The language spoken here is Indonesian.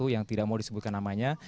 yang tidak mau disebutkan namanya